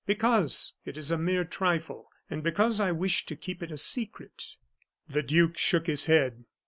"Because it is a mere trifle, and because I wish to keep it a secret." The duke shook his head.